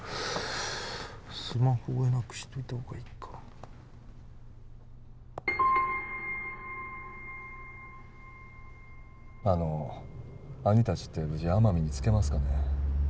スマホ追えなくしといたほうがいいかあの兄達って無事奄美に着けますかね？